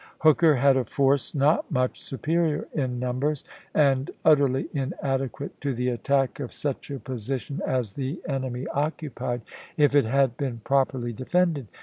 Hooker had a force not much superior in numbers, and utterly inadequate to the attack of L CHATTANOOGA 141 such a position as the enemy occupied, if it had chap. v. been properly defended.